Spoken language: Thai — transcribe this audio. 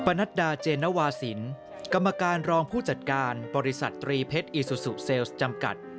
ปรนัสดาเจนวาศิลป์กรรมการรองผู้จัดการบริษัทตรีเพชย์อิสุสูจิเพชาเซล์ส์จำกัด